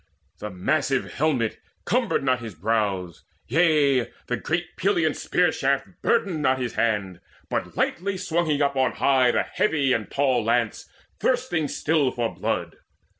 The massive helmet cumbered not his brows; Yea, the great Pelian spear shaft burdened not His hand, but lightly swung he up on high The heavy and tall lance thirsting still for blood.